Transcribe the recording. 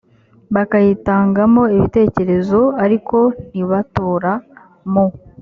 bakayitangamo ibitekerezo ariko ntibatora mu